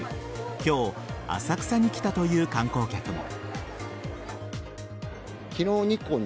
今日、浅草に来たという観光客も。